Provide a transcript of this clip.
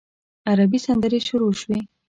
عربي سندرې شروع شوې.